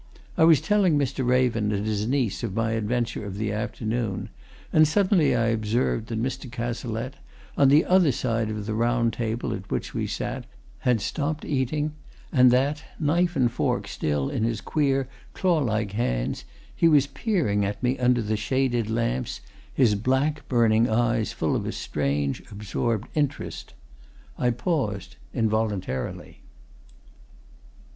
I was telling Mr. Raven and his niece of my adventure of the afternoon, and suddenly I observed that Mr. Cazalette, on the other side of the round table at which we sat, had stopped eating, and that, knife and fork still in his queer, claw like hands, he was peering at me under the shaded lamps, his black, burning eyes full of a strange, absorbed interest. I paused involuntarily.